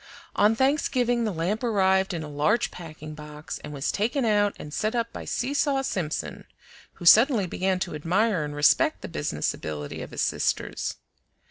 On Thanksgiving the lamp arrived in a large packing box, and was taken out and set up by Seesaw Simpson, who suddenly began to admire and respect the business ability of his sisters.